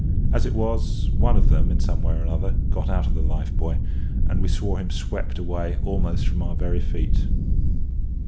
As it was, one of them, in some way or other, got out of the life buoy, and we saw him swept away almost from our very feet.